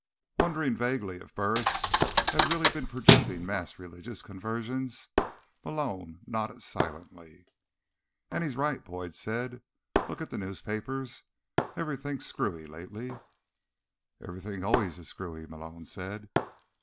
Wondering vaguely if Burris had really been predicting mass religious conversions, Malone nodded silently. "And he's right," Boyd said. "Look at the newspapers. Everything's screwy lately." "Everything always is screwy," Malone said.